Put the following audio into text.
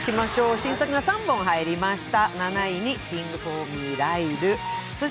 新作が３本入りました。